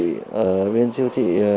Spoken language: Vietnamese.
ở bên siêu thị